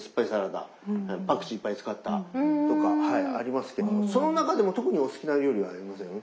パクチーいっぱい使ったとかありますけどもその中でも特にお好きな料理ありません？